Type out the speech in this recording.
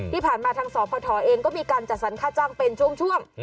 ที่ผ่านมาทางสพเองก็มีการจัดสรรค่าจ้างเป็นช่วง